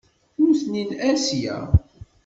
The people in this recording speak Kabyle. Nutni n Asya.